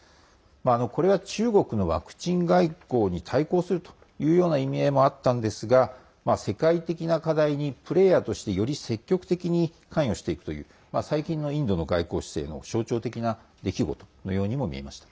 これは中国のワクチン外交に対抗するというような意味合いもあったんですが世界的な課題にプレーヤーとしてより積極的に関与していくという最近のインドの外交姿勢の象徴的な出来事のようにも見えました。